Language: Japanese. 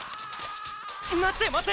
待って待って！